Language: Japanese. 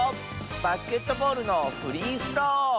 バスケットボールのフリースロー！